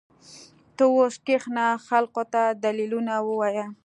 ته اوس کښېنه خلقو ته دليلونه ووايه.